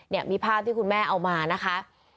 เนี่ยมีภาพที่คุณแม่เอามานะคะ